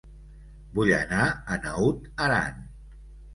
Vull anar a Naut Aran